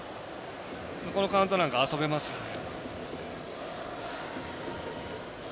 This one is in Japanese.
このカウントなんか遊べますよね。